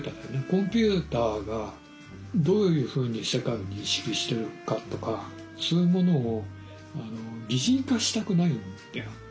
コンピューターがどういうふうに世界を認識しているかとかそういうものを擬人化したくないんだよ。